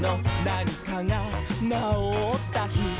「なにかがなおったひ」